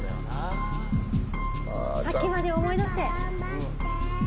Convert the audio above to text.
さっきまでを思い出して。